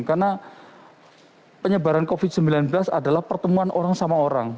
karena penyebaran covid sembilan belas adalah pertemuan orang sama orang